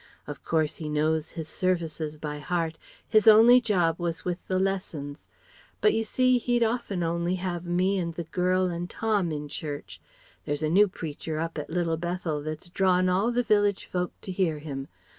Of course he knows hiss services by heart; hiss only job wass with the Lessons.... But you see, he'd often only have me and the girl and Tom in church. There's a new preacher up at Little Bethel that's drawn all the village folk to hear him.